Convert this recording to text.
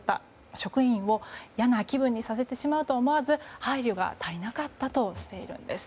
職員を嫌な気分にさせてしまうと思わず配慮が足りなかったとしているんです。